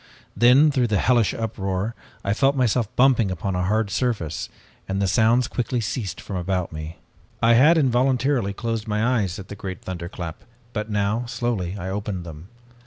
Then through the hellish uproar, I felt myself bumping upon a hard surface, and the sounds quickly ceased from about me. "I had involuntarily closed my eyes at the great thunderclap, but now, slowly, I opened them.